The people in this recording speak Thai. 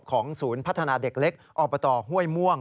ศูนย์พัฒนาเด็กเล็กอบตห้วยม่วง